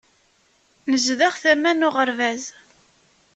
Nezdeɣ tama n uɣerbaz.